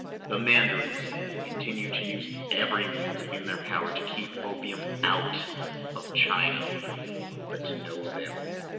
The mandarins continued to use every means in their power to keep opium out of China, but all to no avail.